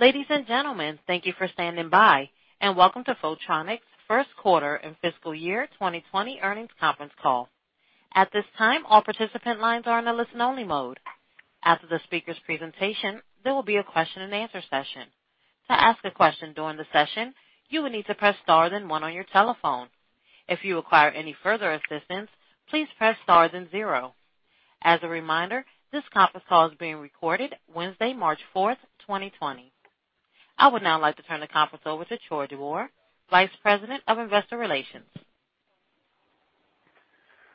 Ladies and gentlemen, thank you for standing by, and welcome to Photronics' First Quarter and Fiscal Year 2020 Earnings Conference Call. At this time, all participant lines are in a listen-only mode. After the speaker's presentation, there will be a question-and-answer session. To ask a question during the session, you will need to press star then one on your telephone. If you require any further assistance, please press star then zero. As a reminder, this conference call is being recorded Wednesday, March 4th, 2020. I would now like to turn the conference over to Troy Dewar, Vice President of Investor Relations.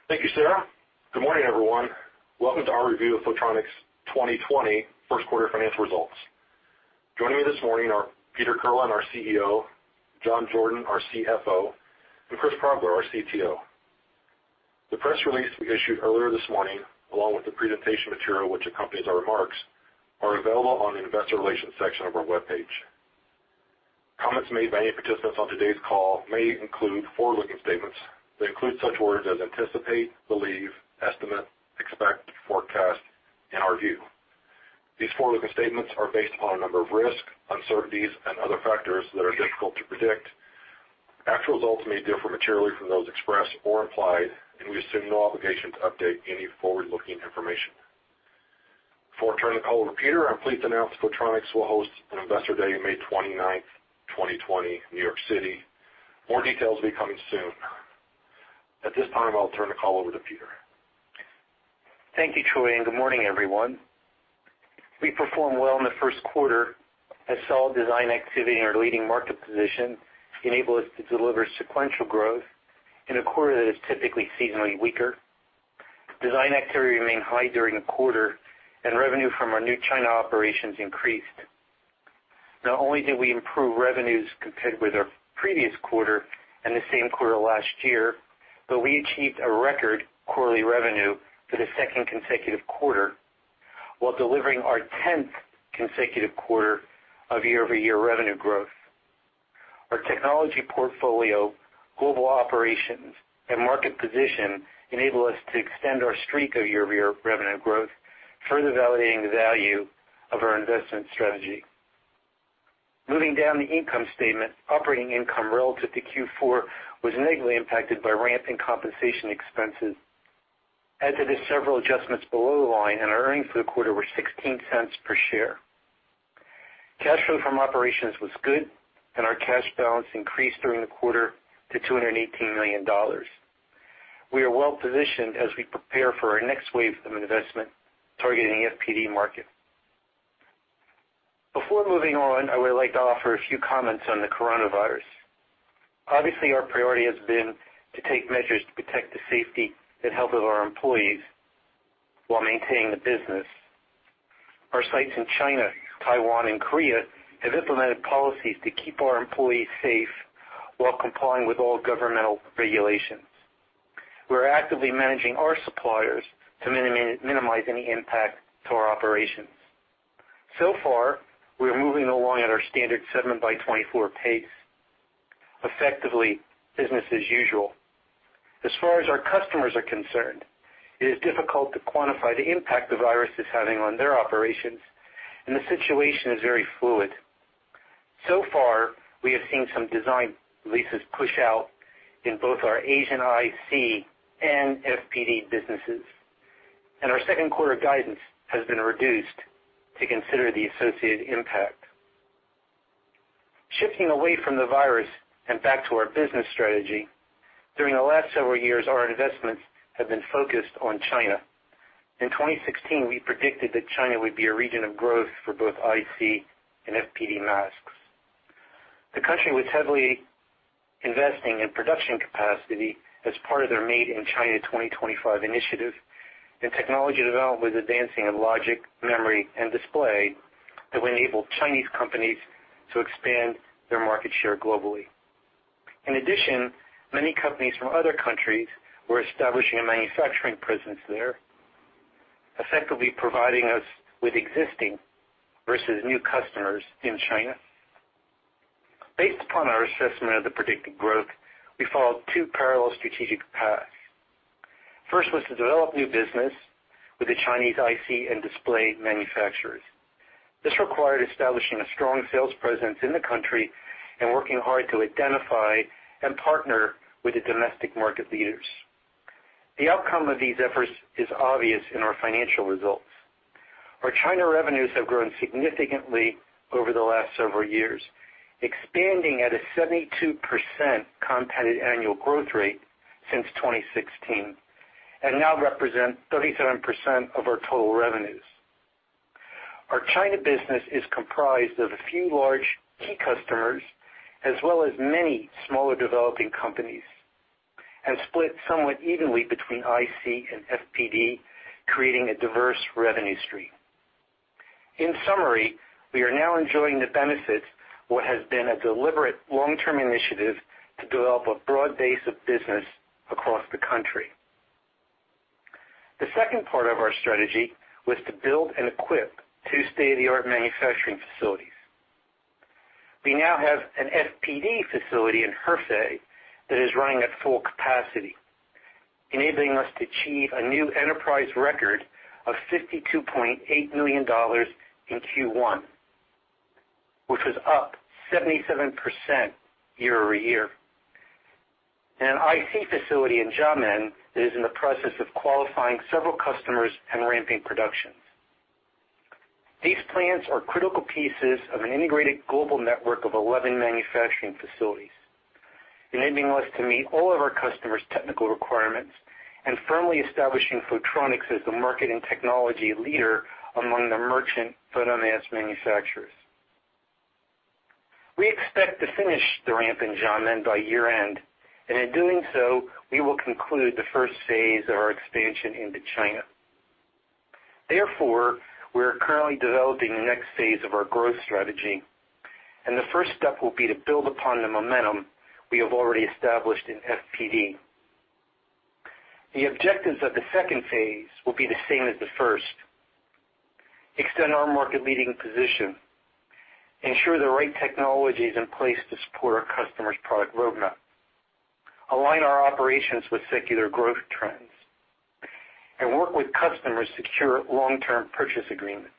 Thank you, Sarah. Good morning, everyone. Welcome to our review of Photronics' 2020 first quarter financial results. Joining me this morning are Peter Kirlin, our CEO, John Jordan, our CFO, and Chris Progler, our CTO. The press release we issued earlier this morning, along with the presentation material which accompanies our remarks, is available on the Investor Relations section of our webpage. Comments made by any participants on today's call may include forward-looking statements that include such words as anticipate, believe, estimate, expect, forecast, and our view. These forward-looking statements are based upon a number of risks, uncertainties, and other factors that are difficult to predict. Actual results may differ materially from those expressed or implied, and we assume no obligation to update any forward-looking information. Before I turn the call over to Peter, I'm pleased to announce that Photronics will host an Investor Day on May 29th, 2020, New York City. More details will be coming soon. At this time, I'll turn the call over to Peter. Thank you, Troy, and good morning, everyone. We performed well in the first quarter, as solid design activity and our leading market position enabled us to deliver sequential growth in a quarter that is typically seasonally weaker. Design activity remained high during the quarter, and revenue from our new China operations increased. Not only did we improve revenues compared with our previous quarter and the same quarter last year, but we achieved a record quarterly revenue for the second consecutive quarter, while delivering our 10th consecutive quarter of year-over-year revenue growth. Our technology portfolio, global operations, and market position enabled us to extend our streak of year-over-year revenue growth, further validating the value of our investment strategy. Moving down the income statement, operating income relative to Q4 was negatively impacted by ramping compensation expenses. As it is several adjustments below the line, our earnings for the quarter were $0.16 per share. Cash flow from operations was good, and our cash balance increased during the quarter to $218 million. We are well positioned as we prepare for our next wave of investment targeting the FPD market. Before moving on, I would like to offer a few comments on the coronavirus. Obviously, our priority has been to take measures to protect the safety and health of our employees while maintaining the business. Our sites in China, Taiwan, and Korea have implemented policies to keep our employees safe while complying with all governmental regulations. We are actively managing our suppliers to minimize any impact to our operations. So far, we are moving along at our standard 7 by 24 pace, effectively business as usual. As far as our customers are concerned, it is difficult to quantify the impact the virus is having on their operations, and the situation is very fluid. So far, we have seen some design releases push out in both our Asian IC and FPD businesses, and our second quarter guidance has been reduced to consider the associated impact. Shifting away from the virus and back to our business strategy, during the last several years, our investments have been focused on China. In 2016, we predicted that China would be a region of growth for both IC and FPD masks. The country was heavily investing in production capacity as part of their Made in China 2025 initiative, and technology development was advancing in logic, memory, and display that would enable Chinese companies to expand their market share globally. In addition, many companies from other countries were establishing manufacturing presence there, effectively providing us with existing versus new customers in China. Based upon our assessment of the predicted growth, we followed two parallel strategic paths. First was to develop new business with the Chinese IC and display manufacturers. This required establishing a strong sales presence in the country and working hard to identify and partner with the domestic market leaders. The outcome of these efforts is obvious in our financial results. Our China revenues have grown significantly over the last several years, expanding at a 72% compounded annual growth rate since 2016, and now represent 37% of our total revenues. Our China business is comprised of a few large key customers, as well as many smaller developing companies, and split somewhat evenly between IC and FPD, creating a diverse revenue stream. In summary, we are now enjoying the benefits of what has been a deliberate long-term initiative to develop a broad base of business across the country. The second part of our strategy was to build and equip two state-of-the-art manufacturing facilities. We now have an FPD facility in Hefei that is running at full capacity, enabling us to achieve a new enterprise record of $52.8 million in Q1, which was up 77% year-over-year, and an IC facility in Xiamen that is in the process of qualifying several customers and ramping productions. These plants are critical pieces of an integrated global network of 11 manufacturing facilities, enabling us to meet all of our customers' technical requirements and firmly establishing Photronics as the market and technology leader among the merchant photomask manufacturers. We expect to finish the ramp in Xiamen by year-end, and in doing so, we will conclude the first phase of our expansion into China. Therefore, we are currently developing the next phase of our growth strategy, and the first step will be to build upon the momentum we have already established in FPD. The objectives of the second phase will be the same as the first: extend our market-leading position, ensure the right technologies in place to support our customers' product roadmap, align our operations with secular growth trends, and work with customers to secure long-term purchase agreements.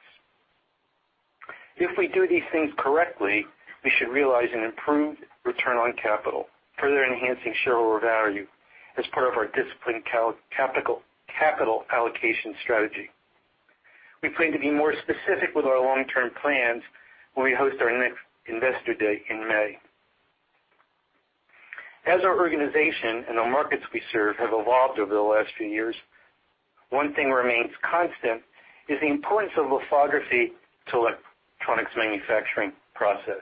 If we do these things correctly, we should realize an improved return on capital, further enhancing shareholder value as part of our disciplined capital allocation strategy. We plan to be more specific with our long-term plans when we host our next Investor Day in May. As our organization and the markets we serve have evolved over the last few years, one thing remains constant: the importance of lithography to electronics manufacturing process.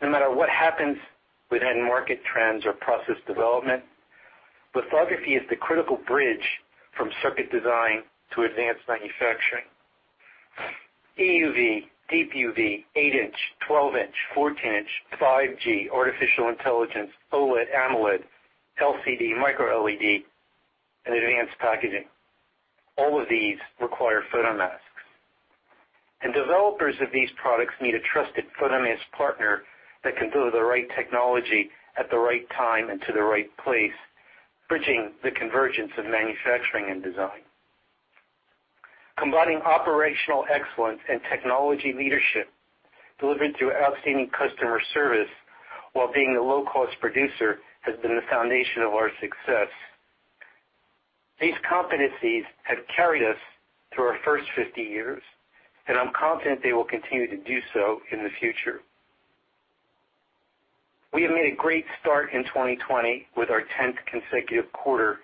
No matter what happens with end-market trends or process development, lithography is the critical bridge from circuit design to advanced manufacturing. EUV, Deep UV, 8-inch, 12-inch, 14-inch, 5G, artificial intelligence, OLED, AMOLED, LCD, micro-LED, and advanced packaging, all of these require photomasks, and developers of these products need a trusted photomask partner that can deliver the right technology at the right time and to the right place, bridging the convergence of manufacturing and design. Combining operational excellence and technology leadership, delivered through outstanding customer service while being a low-cost producer, has been the foundation of our success. These competencies have carried us through our first 50 years, and I'm confident they will continue to do so in the future. We have made a great start in 2020 with our 10th consecutive quarter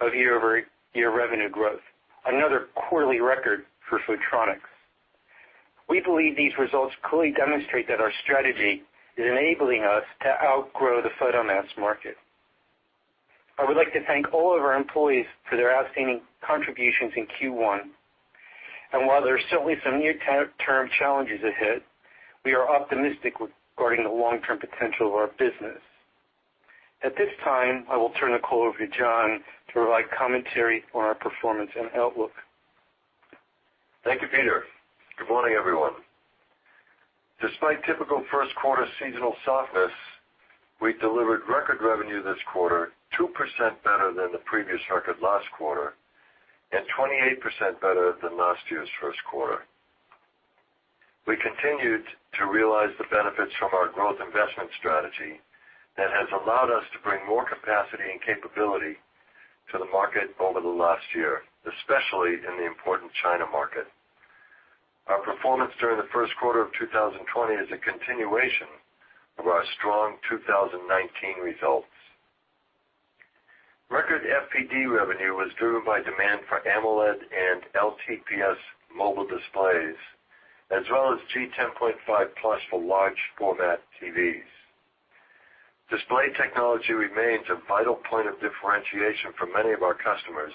of year-over-year revenue growth, another quarterly record for Photronics. We believe these results clearly demonstrate that our strategy is enabling us to outgrow the photomask market. I would like to thank all of our employees for their outstanding contributions in Q1, and while there are certainly some near-term challenges ahead, we are optimistic regarding the long-term potential of our business. At this time, I will turn the call over to John to provide commentary on our performance and outlook. Thank you, Peter. Good morning, everyone. Despite typical first-quarter seasonal softness, we delivered record revenue this quarter, 2% better than the previous record last quarter, and 28% better than last year's first quarter. We continued to realize the benefits from our growth investment strategy that has allowed us to bring more capacity and capability to the market over the last year, especially in the important China market. Our performance during the first quarter of 2020 is a continuation of our strong 2019 results. Record FPD revenue was driven by demand for AMOLED and LTPS mobile displays, as well as G10.5+ for large-format TVs. Display technology remains a vital point of differentiation for many of our customers,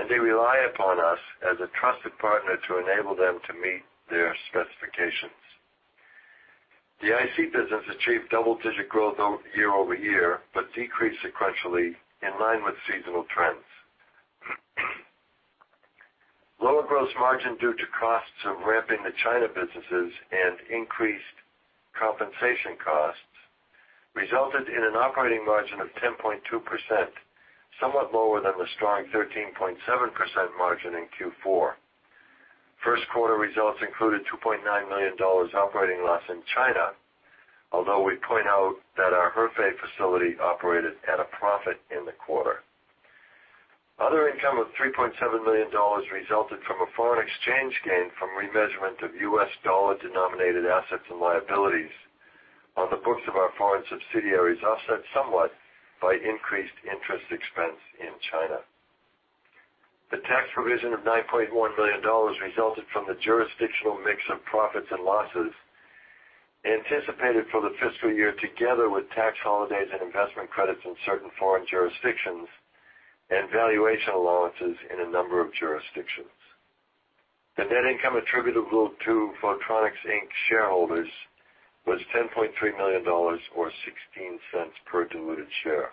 and they rely upon us as a trusted partner to enable them to meet their specifications. The IC business achieved double-digit growth year-over-year but decreased sequentially in line with seasonal trends. Lower gross margin due to costs of ramping the China businesses and increased compensation costs resulted in an operating margin of 10.2%, somewhat lower than the strong 13.7% margin in Q4. First-quarter results included $2.9 million operating loss in China, although we point out that our Hefei facility operated at a profit in the quarter. Other income of $3.7 million resulted from a foreign exchange gain from remeasurement of U.S. dollar-denominated assets and liabilities on the books of our foreign subsidiaries, offset somewhat by increased interest expense in China. The tax provision of $9.1 million resulted from the jurisdictional mix of profits and losses anticipated for the fiscal year together with tax holidays and investment credits in certain foreign jurisdictions and valuation allowances in a number of jurisdictions. The net income attributable to Photronics, Inc. shareholders was $10.3 million, or $0.16 per diluted share.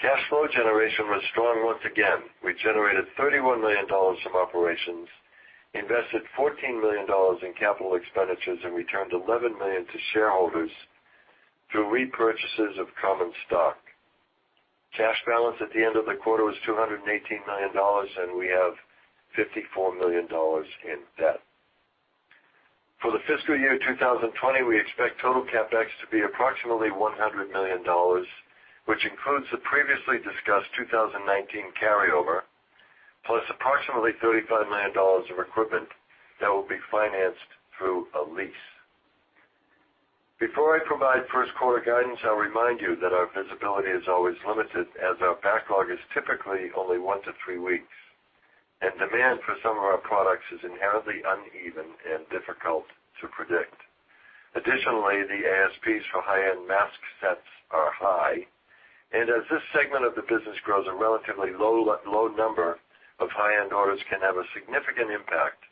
Cash flow generation was strong once again. We generated $31 million from operations, invested $14 million in capital expenditures, and returned $11 million to shareholders through repurchases of common stock. Cash balance at the end of the quarter was $218 million, and we have $54 million in debt. For the fiscal year 2020, we expect total CapEx to be approximately $100 million, which includes the previously discussed 2019 carryover, plus approximately $35 million of equipment that will be financed through a lease. Before I provide first-quarter guidance, I'll remind you that our visibility is always limited, as our backlog is typically only one to three weeks, and demand for some of our products is inherently uneven and difficult to predict. Additionally, the ASPs for high-end mask sets are high, and as this segment of the business grows, a relatively low number of high-end orders can have a significant impact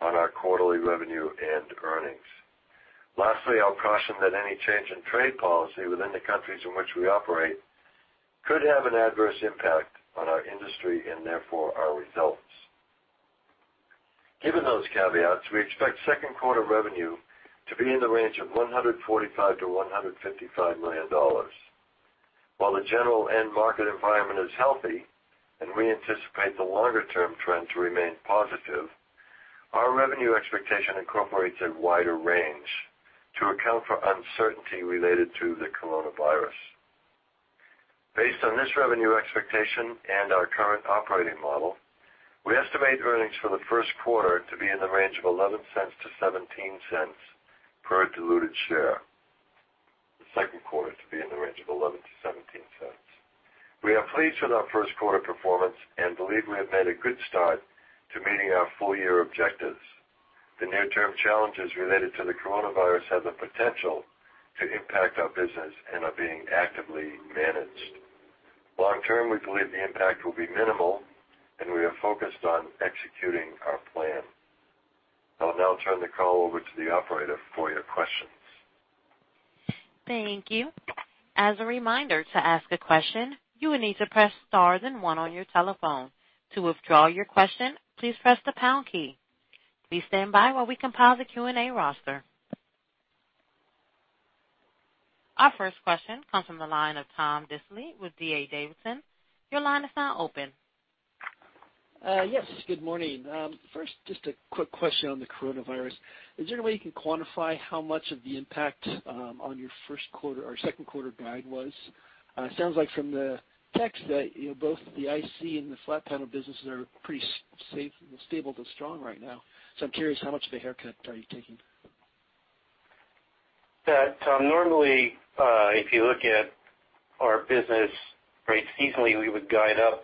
on our quarterly revenue and earnings. Lastly, I'll caution that any change in trade policy within the countries in which we operate could have an adverse impact on our industry and therefore our results. Given those caveats, we expect second-quarter revenue to be in the range of $145 million-$155 million. While the general end-market environment is healthy and we anticipate the longer-term trend to remain positive, our revenue expectation incorporates a wider range to account for uncertainty related to the coronavirus. Based on this revenue expectation and our current operating model, we estimate earnings for the first quarter to be in the range of $0.11-$0.17 per diluted share, the second quarter to be in the range of $0.11-$0.17. We are pleased with our first-quarter performance and believe we have made a good start to meeting our full-year objectives. The near-term challenges related to the coronavirus have the potential to impact our business and are being actively managed. Long-term, we believe the impact will be minimal, and we are focused on executing our plan. I'll now turn the call over to the operator for your questions. Thank you. As a reminder to ask a question, you will need to press star then one on your telephone. To withdraw your question, please press the pound key. Please stand by while we compile the Q&A roster. Our first question comes from the line of Tom Diffely with D.A. Davidson. Your line is now open. Yes. Good morning. First, just a quick question on the coronavirus. Is there any way you can quantify how much of the impact on your first-quarter or second-quarter guide was? It sounds like from the text that both the IC and the flat panel businesses are pretty stable to strong right now. So I'm curious how much of a haircut are you taking? Yeah. Tom, normally, if you look at our business rates seasonally, we would guide up,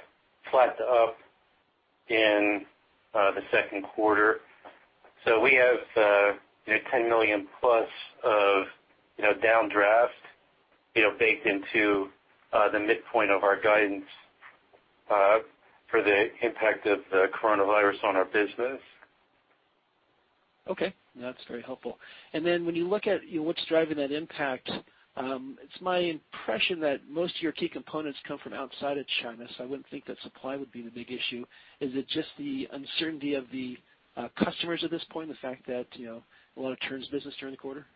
flat up in the second quarter. So we have $10 million+ of downdraft baked into the midpoint of our guidance for the impact of the coronavirus on our business. Okay. That's very helpful. And then when you look at what's driving that impact, it's my impression that most of your key components come from outside of China, so I wouldn't think that supply would be the big issue. Is it just the uncertainty of the customers at this point, the fact that a lot of turns business during the quarter?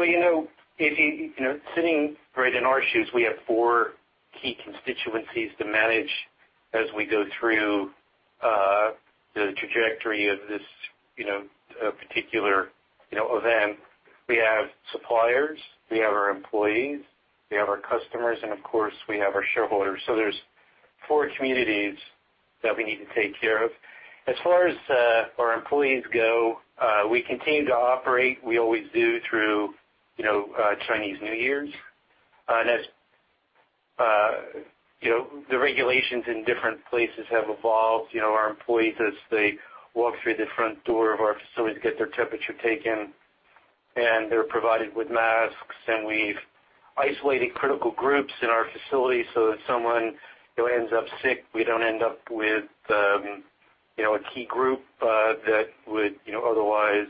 If you're sitting right in our shoes, we have four key constituencies to manage as we go through the trajectory of this particular event. We have suppliers, we have our employees, we have our customers, and of course, we have our shareholders. So there's four communities that we need to take care of. As far as our employees go, we continue to operate, we always do, through Chinese New Year's. The regulations in different places have evolved. Our employees, as they walk through the front door of our facilities, get their temperature taken, and they're provided with masks. We've isolated critical groups in our facility so that if someone ends up sick, we don't end up with a key group that would otherwise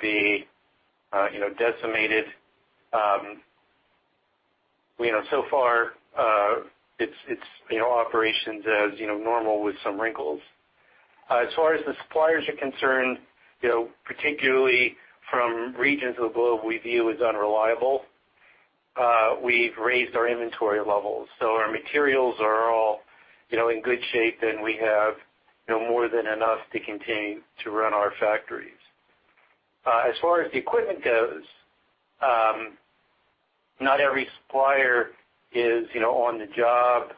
be decimated. It's operations as normal with some wrinkles so far. As far as the suppliers are concerned, particularly from regions of the globe we view as unreliable, we've raised our inventory levels. So our materials are all in good shape, and we have more than enough to continue to run our factories. As far as the equipment goes, not every supplier is on the job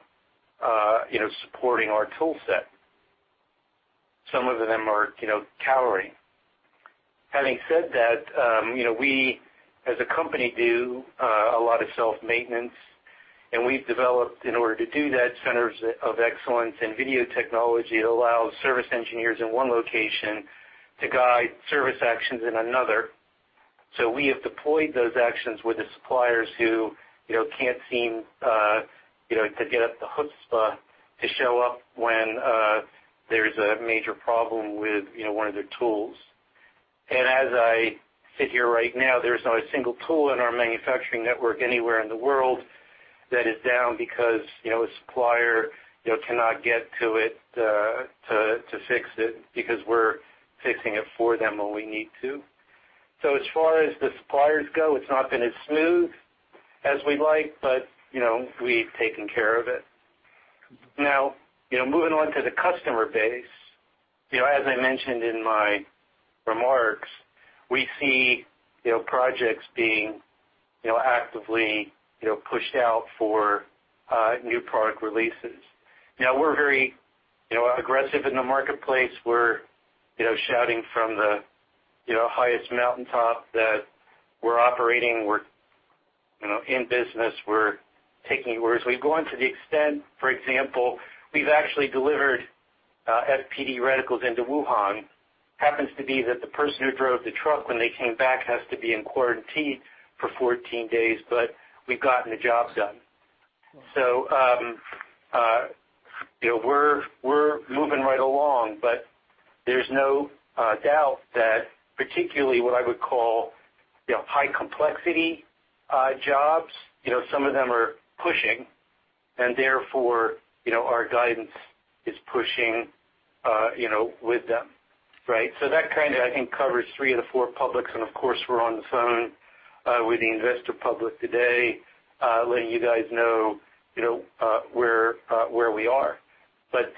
supporting our toolset. Some of them are cowering. Having said that, we as a company do a lot of self-maintenance, and we've developed, in order to do that, centers of excellence in video technology that allows service engineers in one location to guide service actions in another. So we have deployed those actions with the suppliers who can't seem to get up the hooks to show up when there's a major problem with one of their tools. And as I sit here right now, there is not a single tool in our manufacturing network anywhere in the world that is down because a supplier cannot get to it to fix it because we're fixing it for them when we need to. So as far as the suppliers go, it's not been as smooth as we'd like, but we've taken care of it. Now, moving on to the customer base, as I mentioned in my remarks, we see projects being actively pushed out for new product releases. Now, we're very aggressive in the marketplace. We're shouting from the highest mountaintop that we're operating, we're in business, we're taking orders. We've gone to the extent, for example, we've actually delivered FPD reticles into Wuhan. Happens to be that the person who drove the truck when they came back has to be in quarantine for 14 days, but we've gotten the job done. So we're moving right along, but there's no doubt that particularly what I would call high-complexity jobs, some of them are pushing, and therefore our guidance is pushing with them. Right? So that kind of, I think, covers three of the four publics, and of course, we're on the phone with the investor public today letting you guys know where we are. But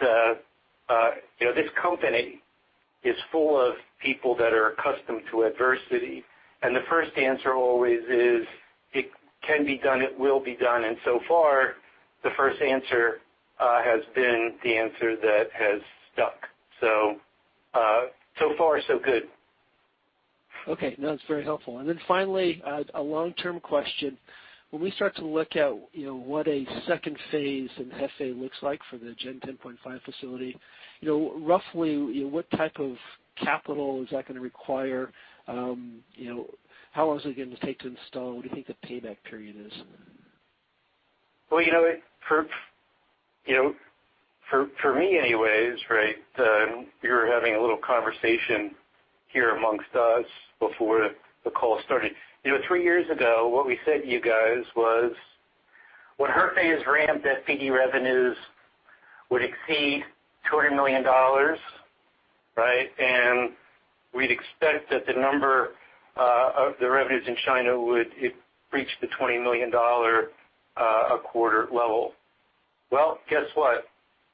this company is full of people that are accustomed to adversity, and the first answer always is, "It can be done, it will be done." And so far, the first answer has been the answer that has stuck. So far, so good. Okay. No, that's very helpful. And then finally, a long-term question. When we start to look at what a second phase in FPD looks like for the Gen 10.5 facility, roughly what type of capital is that going to require? How long is it going to take to install? What do you think the payback period is? For me anyways, right, you were having a little conversation here amongst us before the call started. Three years ago, what we said to you guys was when Hefei is ramped, FPD revenues would exceed $200 million, right, and we'd expect that the number of the revenues in China would reach the $20 million a quarter level. Guess what?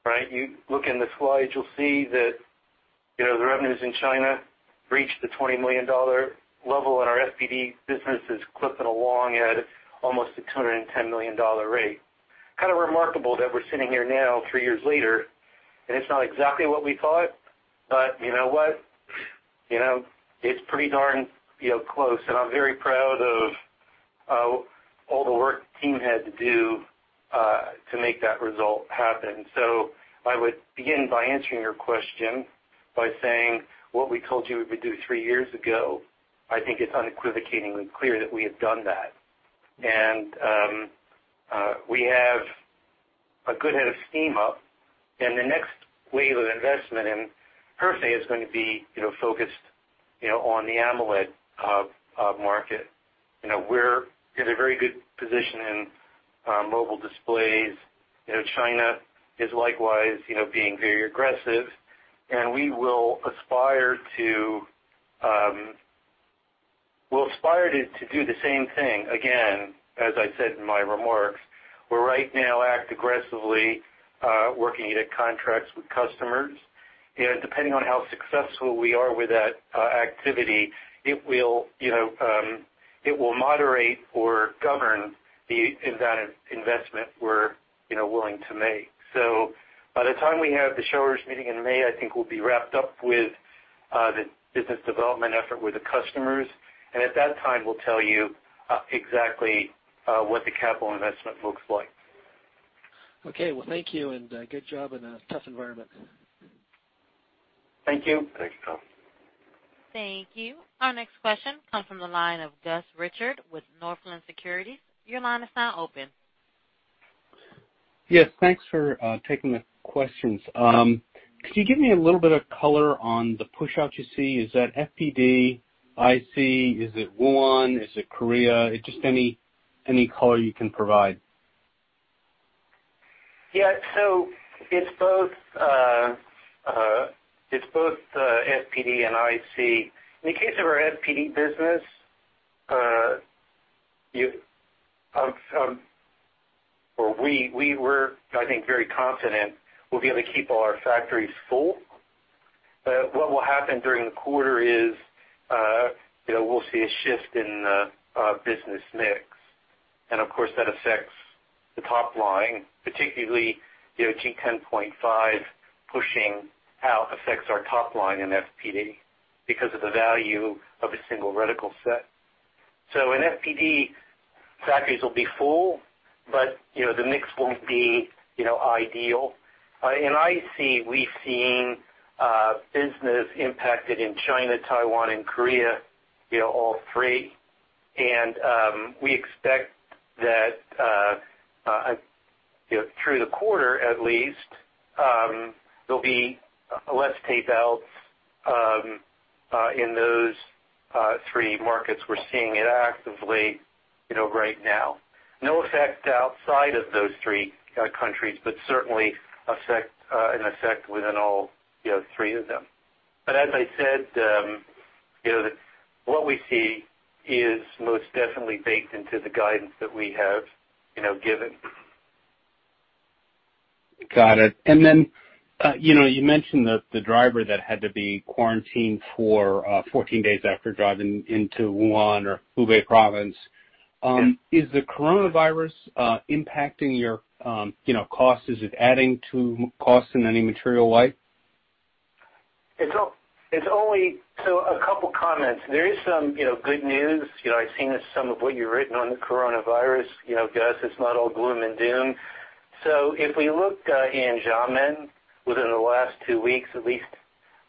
Right? You look in the slides, you'll see that the revenues in China reached the $20 million level, and our FPD business is clipping along at almost a $210 million rate. Kind of remarkable that we're sitting here now, three years later, and it's not exactly what we thought, but you know what? It's pretty darn close, and I'm very proud of all the work the team had to do to make that result happen. So I would begin by answering your question by saying what we told you we would do three years ago. I think it's unequivocally clear that we have done that, and we have a good head of steam up, and the next wave of investment in Hefei is going to be focused on the AMOLED market. We're in a very good position in mobile displays. China is likewise being very aggressive, and we will aspire to do the same thing. Again, as I said in my remarks, we're right now acting aggressively, working to get contracts with customers, and depending on how successful we are with that activity, it will moderate or govern the investment we're willing to make. By the time we have the shareholders meeting in May, I think we'll be wrapped up with the business development effort with the customers, and at that time, we'll tell you exactly what the capital investment looks like. Okay. Well, thank you, and good job in a tough environment. Thank you. Thank you, Tom. Thank you. Our next question comes from the line of Gus Richard with Northland Securities. Your line is now open. Yes. Thanks for taking the questions. Could you give me a little bit of color on the push-out you see? Is that FPD, IC, is it Wuhan, is it Korea? Just any color you can provide. Yeah. So it's both FPD and IC. In the case of our FPD business, or we were, I think, very confident we'll be able to keep all our factories full. But what will happen during the quarter is we'll see a shift in the business mix, and of course, that affects the top line, particularly G10.5 pushing out affects our top line in FPD because of the value of a single reticle set. So in FPD, factories will be full, but the mix won't be ideal. In IC, we've seen business impacted in China, Taiwan, and Korea, all three. And we expect that through the quarter, at least, there'll be less tape-outs in those three markets. We're seeing it actively right now. No effect outside of those three countries, but certainly an effect within all three of them. But as I said, what we see is most definitely baked into the guidance that we have given. Got it. And then you mentioned that the driver that had to be quarantined for 14 days after driving into Wuhan or Hubei Province. Is the coronavirus impacting your costs? Is it adding to costs in any material way? It's only a couple of comments. There is some good news. I've seen some of what you've written on the coronavirus, Gus. It's not all gloom and doom. If we look in Xiamen within the last two weeks, at least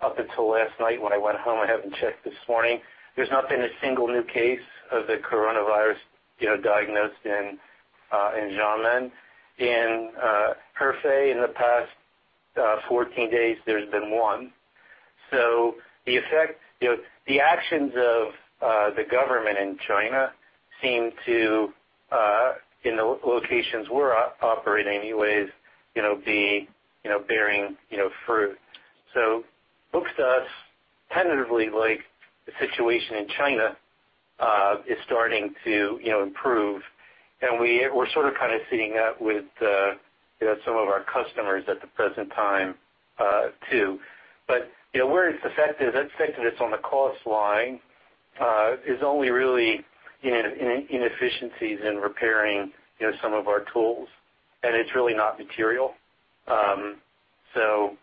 up until last night when I went home, I haven't checked this morning, there's not been a single new case of the coronavirus diagnosed in Xiamen. In Hefei, in the past 14 days, there's been one. The actions of the government in China seem to, in the locations we're operating anyways, be bearing fruit. It looks to us tentatively like the situation in China is starting to improve, and we're sort of kind of sitting up with some of our customers at the present time too. But where it's affected, that's affected us on the cost line, is only really inefficiencies in repairing some of our tools, and it's really not material. So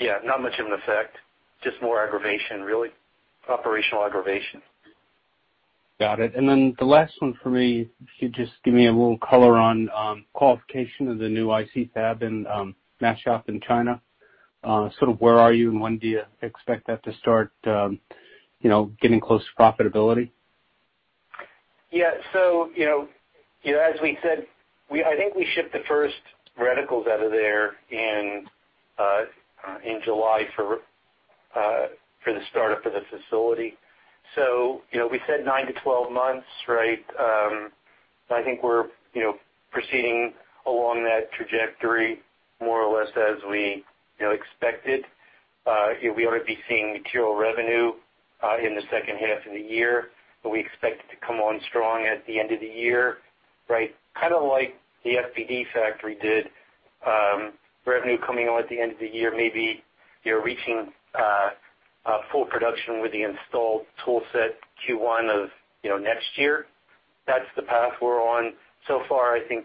yeah, not much of an effect, just more aggravation, really, operational aggravation. Got it. And then the last one for me, if you could just give me a little color on qualification of the new IC fab in Xiamen, China. Sort of, where are you, and when do you expect that to start getting close to profitability? Yeah. So as we said, I think we shipped the first reticles out of there in July for the startup of the facility. So we said nine to 12 months, right? I think we're proceeding along that trajectory more or less as we expected. We ought to be seeing material revenue in the second half of the year, but we expect it to come on strong at the end of the year, right? Kind of like the FPD factory did, revenue coming on at the end of the year, maybe reaching full production with the installed toolset Q1 of next year. That's the path we're on. So far, I think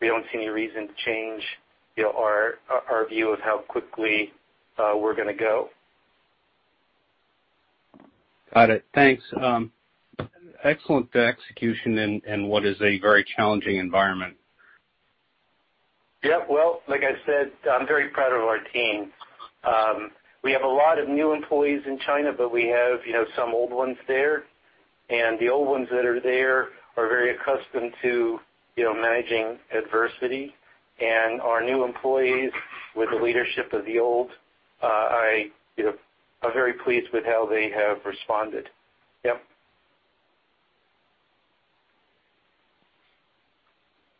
we don't see any reason to change our view of how quickly we're going to go. Got it. Thanks. Excellent execution in what is a very challenging environment. Yep, well, like I said, I'm very proud of our team. We have a lot of new employees in China, but we have some old ones there, and the old ones that are there are very accustomed to managing adversity, and our new employees, with the leadership of the old, I'm very pleased with how they have responded. Yep.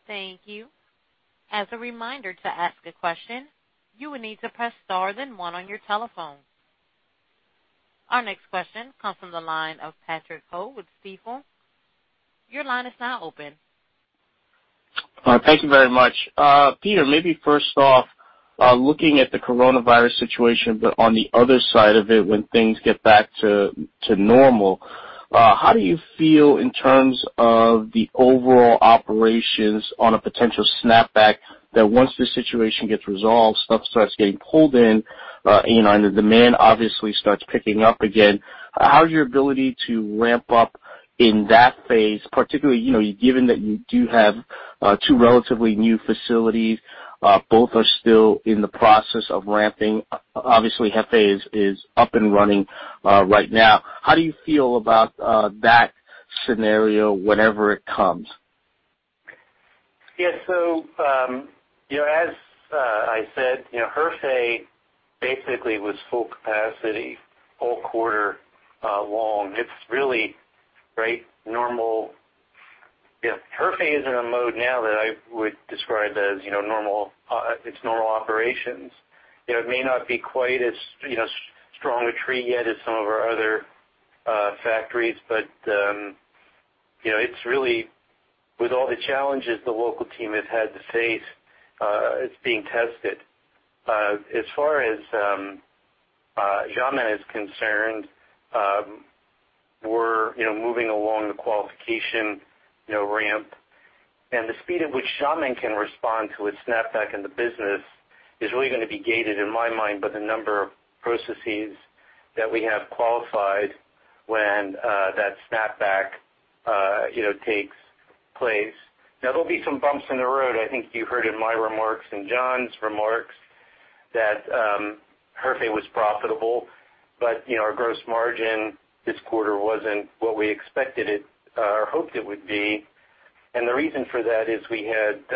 Thank you. As a reminder to ask a question, you will need to press star then one on your telephone. Our next question comes from the line of Patrick Ho with Stifel. Your line is now open. Thank you very much. Peter, maybe first off, looking at the coronavirus situation, but on the other side of it, when things get back to normal, how do you feel in terms of the overall operations on a potential snapback that once the situation gets resolved, stuff starts getting pulled in, and the demand obviously starts picking up again? How's your ability to ramp up in that phase, particularly given that you do have two relatively new facilities? Both are still in the process of ramping. Obviously, Hefei is up and running right now. How do you feel about that scenario whenever it comes? Yeah, so as I said, Hefei basically was full capacity all quarter long. It's really normal. Hefei is in a mode now that I would describe as normal operations. It may not be quite as strong a team yet as some of our other factories, but it's really, with all the challenges the local team has had to face, it's being tested. As far as Xiamen is concerned, we're moving along the qualification ramp, and the speed at which Xiamen can respond to a snapback in the business is really going to be gated, in my mind, by the number of processes that we have qualified when that snapback takes place. Now, there'll be some bumps in the road. I think you heard in my remarks and John's remarks that Hefei was profitable, but our gross margin this quarter wasn't what we expected it or hoped it would be. And the reason for that is we had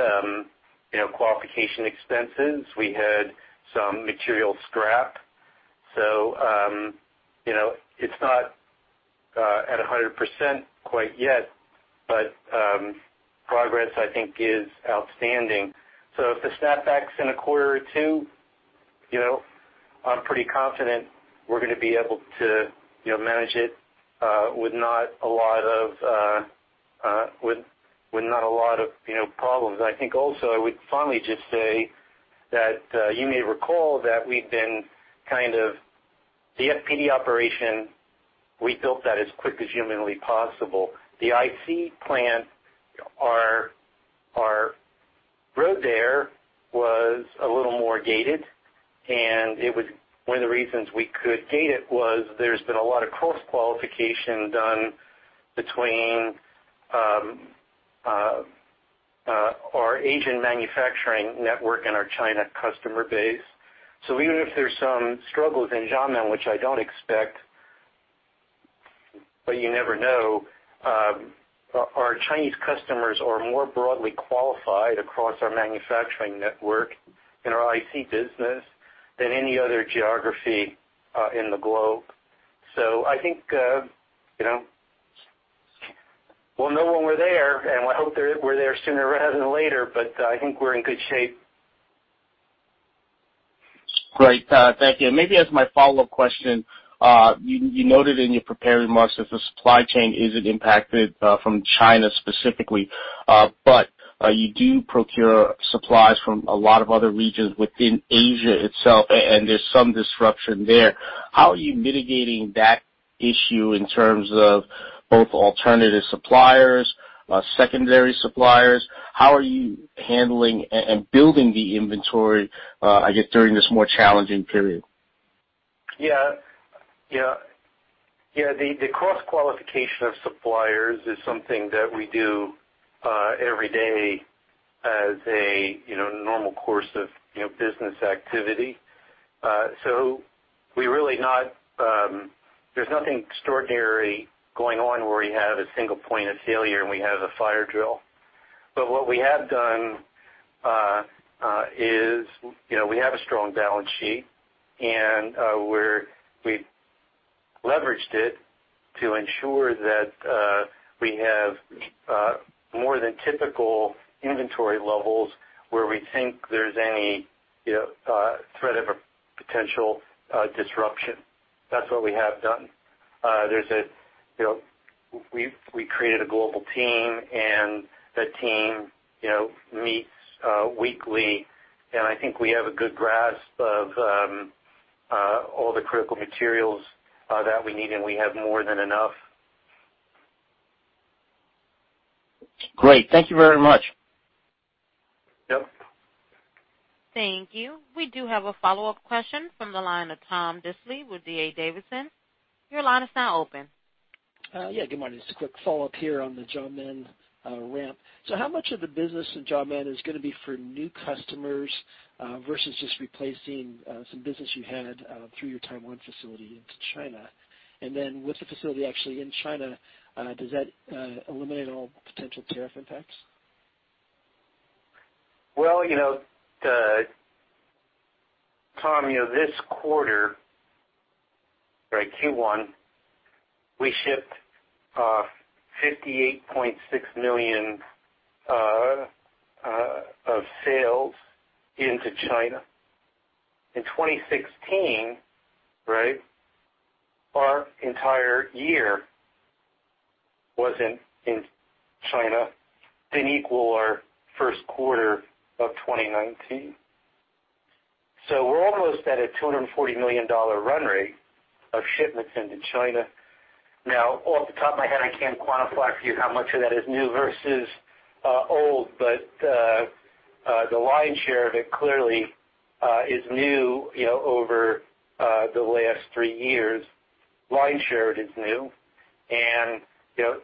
qualification expenses. We had some material scrap. So it's not at 100% quite yet, but progress, I think, is outstanding. So if the snapback's in a quarter or two, I'm pretty confident we're going to be able to manage it with not a lot of problems. I think also, I would finally just say that you may recall that we've been kind of the FPD operation. We built that as quick as humanly possible. The IC plant, our road there was a little more gated, and it was one of the reasons we could gate it was there's been a lot of cross-qualification done between our Asian manufacturing network and our China customer base. So, even if there's some struggles in Xiamen, which I don't expect, but you never know, our Chinese customers are more broadly qualified across our manufacturing network in our IC business than any other geography in the globe. So, I think we'll know when we're there, and I hope we're there sooner rather than later, but I think we're in good shape. Great. Thank you. Maybe as my follow-up question, you noted in your prepared remarks that the supply chain isn't impacted from China specifically, but you do procure supplies from a lot of other regions within Asia itself, and there's some disruption there. How are you mitigating that issue in terms of both alternative suppliers, secondary suppliers? How are you handling and building the inventory, I guess, during this more challenging period? Yeah. Yeah. Yeah. The cross-qualification of suppliers is something that we do every day as a normal course of business activity. So we really not. There's nothing extraordinary going on where we have a single point of failure and we have a fire drill. But what we have done is we have a strong balance sheet, and we've leveraged it to ensure that we have more than typical inventory levels where we think there's any threat of a potential disruption. That's what we have done. There's. We created a global team, and that team meets weekly, and I think we have a good grasp of all the critical materials that we need, and we have more than enough. Great. Thank you very much. Yep. Thank you. We do have a follow-up question from the line of Tom Diffely with D.A. Davidson. Your line is now open. Yeah. Good morning. Just a quick follow-up here on the Xiamen ramp. So how much of the business in Xiamen is going to be for new customers versus just replacing some business you had through your Taiwan facility into China? And then with the facility actually in China, does that eliminate all potential tariff impacts? Tom, this quarter, right, Q1, we shipped $58.6 million of sales into China. In 2016, right, our entire year in China didn't equal our first quarter of 2019. We're almost at a $240 million run rate of shipments into China. Now, off the top of my head, I can't quantify for you how much of that is new versus old, but the lion's share of it clearly is new over the last three years, and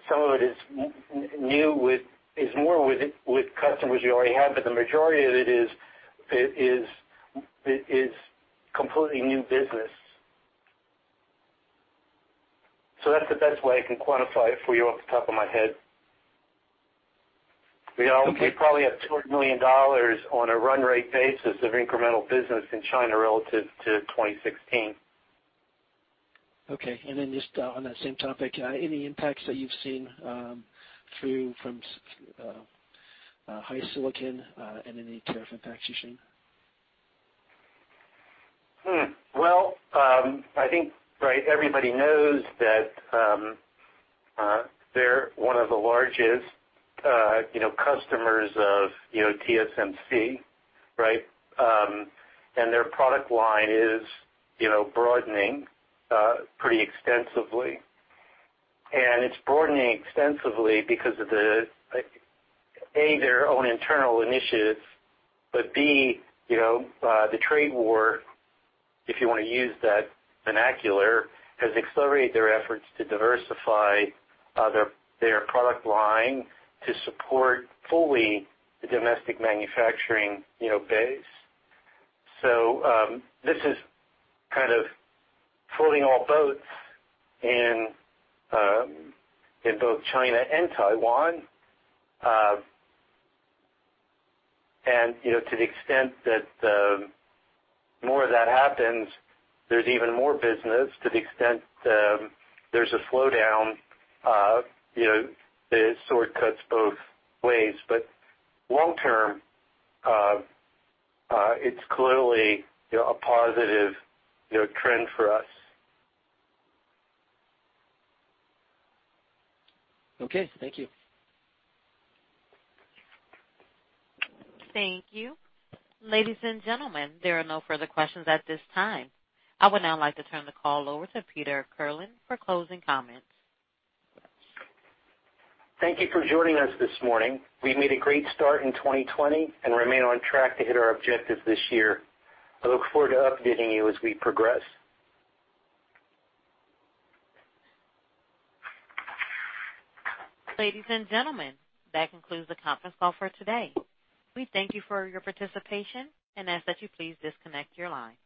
some of it is new, which is more with customers we already have, but the majority of it is completely new business. That's the best way I can quantify it for you off the top of my head. We probably have $200 million on a run rate basis of incremental business in China relative to 2016. Okay. And then just on that same topic, any impacts that you've seen through from HiSilicon and any tariff impacts you've seen? I think, right, everybody knows that they're one of the largest customers of TSMC, right? Their product line is broadening pretty extensively. It's broadening extensively because of the, A, their own internal initiatives, but B, the trade war, if you want to use that vernacular, has accelerated their efforts to diversify their product line to support fully the domestic manufacturing base. This is kind of floating all boats in both China and Taiwan. To the extent that more of that happens, there's even more business. To the extent there's a slowdown, it sort of cuts both ways. Long term, it's clearly a positive trend for us. Okay. Thank you. Thank you. Ladies and gentlemen, there are no further questions at this time. I would now like to turn the call over to Peter Kirlin for closing comments. Thank you for joining us this morning. We made a great start in 2020 and remain on track to hit our objectives this year. I look forward to updating you as we progress. Ladies and gentlemen, that concludes the conference call for today. We thank you for your participation and ask that you please disconnect your line.